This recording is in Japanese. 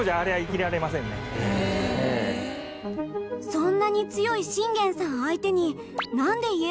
そんなに強い信玄さん